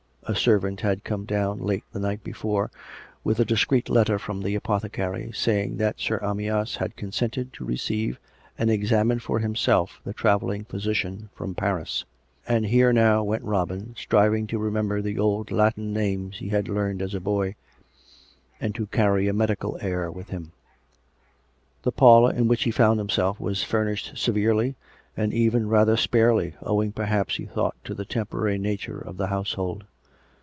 A servant had come down late the night before, with a dis creet letter from the apothecary, saying that Sir Amyas had consented to receive and examine for himself the travelling physician from Paris ; and here now went Robin, striving to remember the old Latin names he had learned as a boy, and to carry a medical air with him. The parlour in which he found himself was furnished severely and even rather sparely, owing, perhaps, he thought, to the temporary nature of the household.